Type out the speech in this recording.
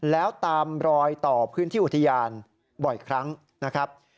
แล้วตามรอยต่อพื้นที่อุทยานบ่อยครั้งนะครับ